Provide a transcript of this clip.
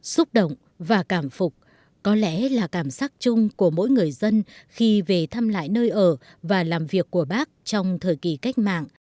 xúc động và cảm phục có lẽ là cảm giác chung của mỗi người dân khi về thăm lại nơi ở và làm việc của bác trong thời kỳ cách mạng